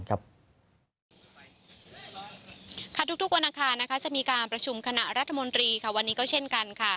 ทุกวันจะมีการประชุมขณะรัฐมนตรีวันนี้ก็เช่นกัน